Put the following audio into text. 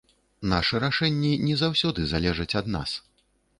Нашы рашэнні не заўсёды залежаць ад нас.